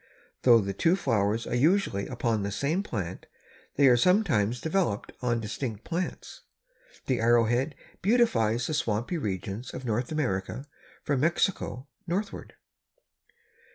Though the two flowers are usually upon the same plant, they are sometimes developed on distinct plants. The Arrow Head beautifies the swampy regions of North America from Mexico northward.